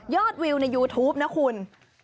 วิวในยูทูปนะคุณ